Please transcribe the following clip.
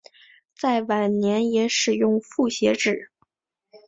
在晚年也使用复写纸。